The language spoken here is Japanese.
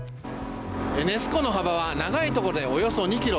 ネス湖の幅は長いところでおよそ２ｋｍ。